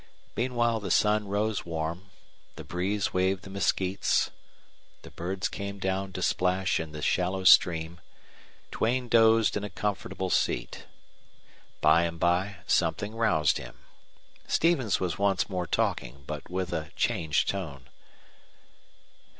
Meanwhile the sun rose warm; the breeze waved the mesquites; the birds came down to splash in the shallow stream; Duane dozed in a comfortable seat. By and by something roused him. Stevens was once more talking, but with a changed tone.